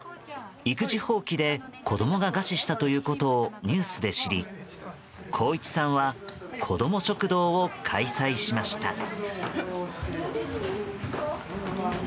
育児放棄で子供が餓死したということをニュースで知り航一さんは子ども食堂を開催しました。